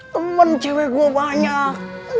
teman cewek gue banyak